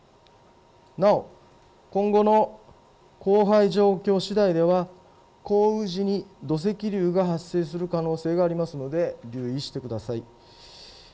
なお、今後の降灰状況しだいでは降雨時に土石流が発生する可能性がありますので留意してください。